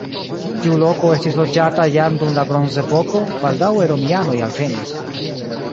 Tiu loko estis loĝata jam dum la bronzepoko, baldaŭe romianoj alvenis.